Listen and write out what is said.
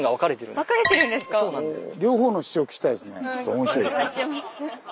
面白い。